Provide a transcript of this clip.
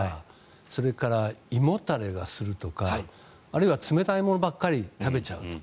それから胃もたれがするとかあるいは冷たいものばかり食べちゃうと。